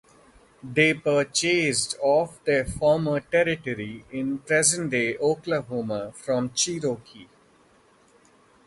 They purchased of their former territory in present-day Oklahoma from the Cherokee.